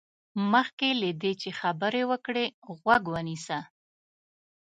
مخکې له دې چې خبرې وکړې، غوږ ونيسه.